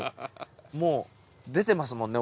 もう出てますもんね